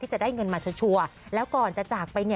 จะได้เงินมาชัวร์แล้วก่อนจะจากไป